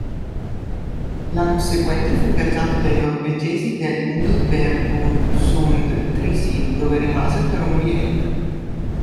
L'anno seguente, fu ingaggiato dai norvegesi del Nybergsund-Trysil, dove rimase per un biennio.